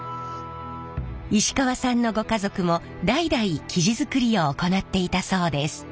石川さんのご家族も代々木地作りを行っていたそうです。